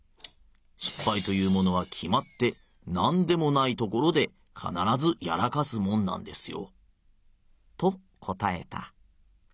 しっぱいというものはきまってなんでもない所で必ずやらかすもんなんですよ』と答えた。